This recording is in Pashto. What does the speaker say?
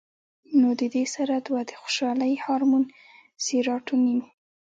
نو د دې سره دوه د خوشالۍ هارمون سېراټونین